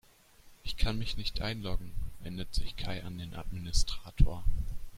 "Ich kann mich nicht einloggen", wendet sich Kai an den Administrator.